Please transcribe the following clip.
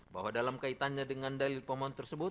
bahwa dalam kaitannya dengan dalil pemohon tersebut